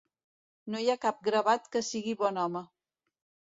No hi ha cap gravat que sigui bon home.